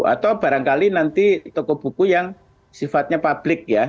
atau barangkali nanti toko buku yang sifatnya publik ya